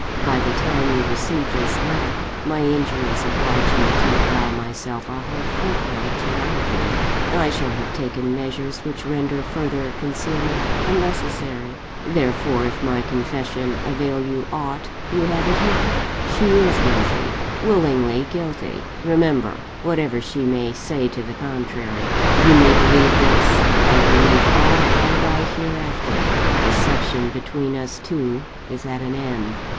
By the time you receive this letter (my injuries oblige me to allow myself a whole fortnight to write it in), I shall have taken measures which render further concealment unnecessary. Therefore, if my confession avail you aught, you have it here: She is guilty: willingly guilty, remember, whatever she may say to the contrary. You may believe this, and believe all I write hereafter. Deception between us two is at an end.